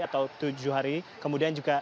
atau tujuh hari kemudian juga